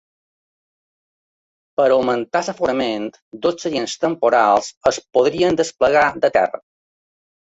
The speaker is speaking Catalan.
Per augmentar l'aforament, dos seients temporals es podrien desplegar de terra.